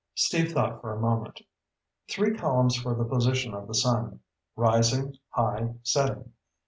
Steve thought for a moment. "Three columns for the position of the sun. Rising, high, setting.